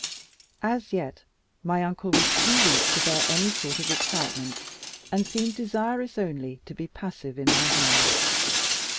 As yet my uncle was too weak to bear any sort of excitement, and seemed desirous only to be passive in my hands.